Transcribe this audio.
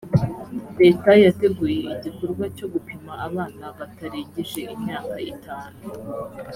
leta yateguye igikorwa cyo gupima abana batarengeje imyaka itanu